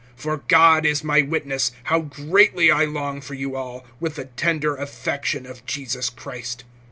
(8)For God is my witness, how greatly I long for you all, with the tender affection of Jesus Christ.